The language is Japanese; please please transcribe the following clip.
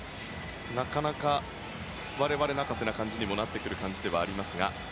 なかなか我々泣かせな感じにもなってくる感じではありますが。